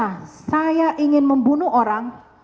nah saya ingin membunuh orang